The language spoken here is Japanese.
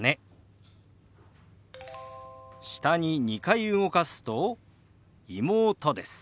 下に２回動かすと「妹」です。